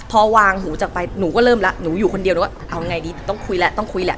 พอวางหูจากไปหนูก็เริ่มแล้วหนูอยู่คนเดียวเลยว่าเอาไงดีต้องคุยแล้วต้องคุยแหละ